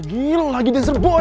gila lagi dancer boy